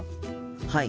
はい。